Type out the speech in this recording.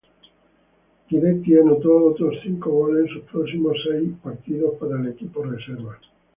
Guidetti anotó otros cinco goles en sus próximos seis partidos para el equipo reserva.